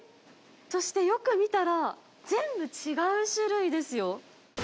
そしてよく見たら、全部違う種類ですよ。